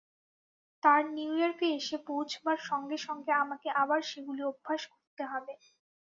তাঁর নিউ ইয়র্কে এসে পৌঁছবার সঙ্গে সঙ্গে আমাকে আবার সেগুলি অভ্যাস করতে হবে।